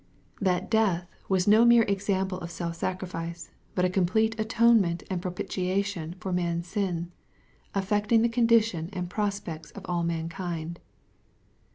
That death was no mere example of self sacrifice, but a complete atonement and propitiation for man's sin, affecting the condition and prospects of all mankind.